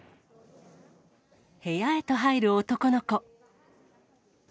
部屋へと入る男の子。